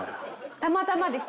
たまたまです。